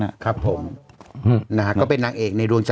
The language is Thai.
อ่ะครับผม